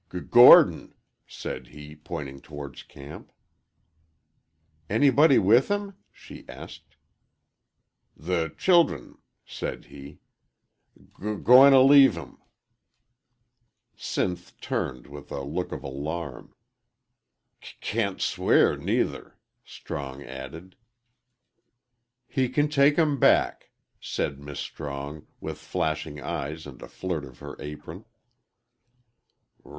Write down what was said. "G Gordon!" said he, pointing towards camp. "Anybody with him?" she asked.. "The childem," said he. "G goin't' leave 'em." Sinth turned with a look of alarm. "C can't swear, nuther," Strong added. "He can take 'em back," said Miss Strong, with flashing eyes and a flirt of her apron.